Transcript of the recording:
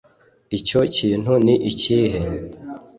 icyo kintu ni ikihe